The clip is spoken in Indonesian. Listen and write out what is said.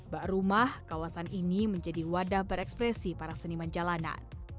bak rumah kawasan ini menjadi wadah berekspresi para seniman jalanan